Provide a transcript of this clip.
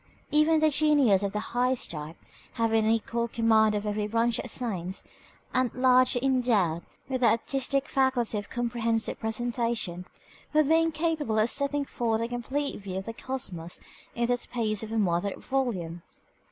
Even a genius of the highest type, having an equal command of every branch of science, and largely endowed with the artistic faculty of comprehensive presentation, would be incapable of setting forth a complete view of the cosmos in the space of a moderate volume.